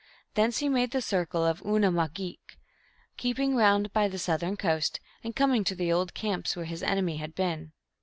Thence he made the circle of Oona mah gik, keeping round by the southern coast, and coming to the old camps where his enemy had been.